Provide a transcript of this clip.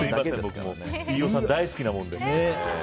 飯尾さん大好きなもんで。